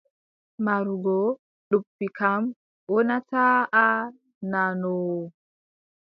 Marugo noppi kam, wonataa a nanoowo.